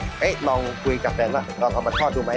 แล้วก็เลยแบบเอ๊ะลองคุยกับแฟนว่าลองทำประทอดดูไหม